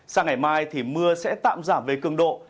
sang ngày mai thì mưa sẽ tạm giảm về cường độ